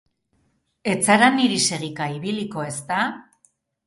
Ez zara niri segika ibiliko, ezta?